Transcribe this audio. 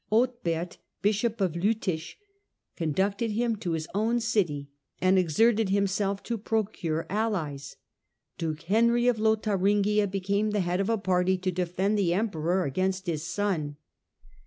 Otbert, bishop of Liittich, conducted him to his own city, and exerted himself to procure allies. Duke Henry of Lotharingia became the head of a party to defend the emperor against his son.